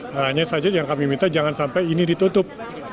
hanya saja yang kami minta jangan sampai ini ditutup